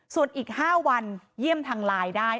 ส่วนอีก๕วันเยี่ยมทางไลน์ได้